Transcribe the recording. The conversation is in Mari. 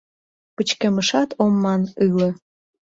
Пычкемышат ом ман ыле